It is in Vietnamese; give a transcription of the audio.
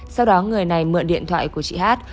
sau đó người này mượn điện thoại của chị hát